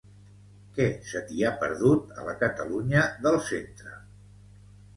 Què se t'hi ha perdut, a la Catalunya del Centre?